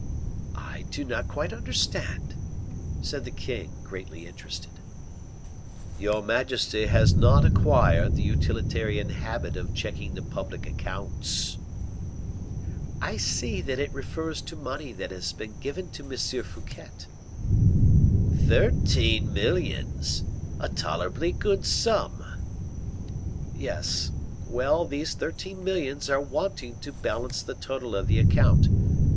"I do not quite understand," said the king, greatly interested. "Your majesty has not acquired the utilitarian habit of checking the public accounts." "I see that it refers to money that had been given to M. Fouquet." "Thirteen millions. A tolerably good sum." "Yes. Well, these thirteen millions are wanting to balance the total of the account.